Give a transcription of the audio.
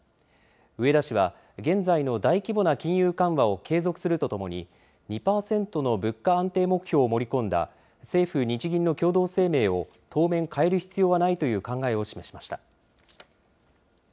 植田氏は、現在の大規模な金融緩和を継続するとともに、２％の物価安定目標を盛り込んだ、政府・日銀の共同声明を、当面変える必要はないという考えを示しました。